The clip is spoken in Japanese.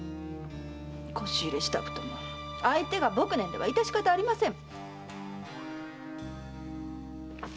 輿入れしたくとも相手が朴念では致し方ありません！